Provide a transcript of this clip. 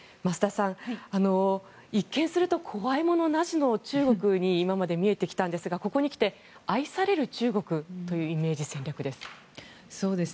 増田さん一見すると怖いものなしの中国に今まで見えてきたんですがここにきて愛される中国というイメージ戦略です。